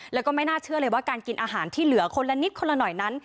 แล้วก็ไม่น่าเชื่อเลยว่าการกินอาหารที่เหลือคนละนิดคนละหน่อยนั้น